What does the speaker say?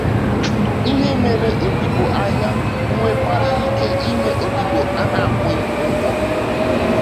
Ihe mere odibo ahịa nwekwara ike ime odibo a na-akwụ ụgwọ